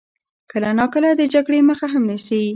کله ناکله د جګړې مخه هم نیسي.